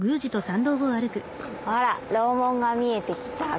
あら楼門が見えてきた。